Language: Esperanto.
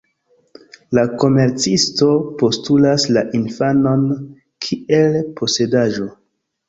La komercisto postulas la infanon kiel posedaĵo.